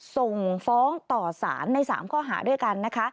ส่งฟ้องต่อสารใน๓ข้อหาด้วยกันนะคะ